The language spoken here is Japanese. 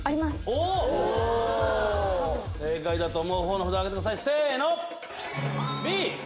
おお正解だと思う方の札あげてくださいせーのＢ！